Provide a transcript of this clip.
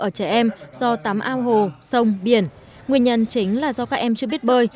ở trẻ em do tắm ao hồ sông biển nguyên nhân chính là do các em chưa biết bơi